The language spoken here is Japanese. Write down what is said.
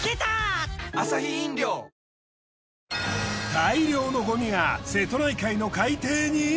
大量のごみが瀬戸内海の海底に！？